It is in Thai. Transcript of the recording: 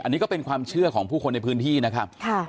อันนี้ก็เป็นความเชื่อของผู้คนในพื้นที่นะครับ